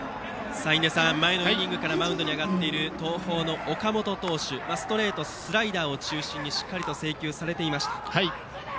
印出さん、前のイニングからマウンドに上がっている東邦の岡本投手ストレート、スライダーを中心にしっかり制球されていました。